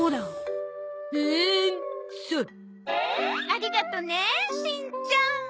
ありがとねしんちゃん。